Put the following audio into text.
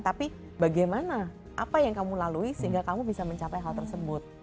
tapi bagaimana apa yang kamu lalui sehingga kamu bisa mencapai hal tersebut